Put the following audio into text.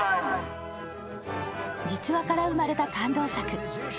実話から生まれた感動作。